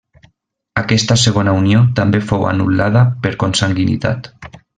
Aquesta segona unió també fou anul·lada per consanguinitat.